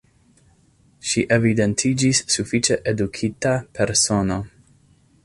Ŝi evidentiĝis sufiĉe edukita persono.